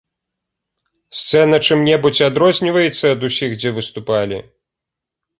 Сцэна чым-небудзь адрозніваецца ад усіх, дзе выступалі?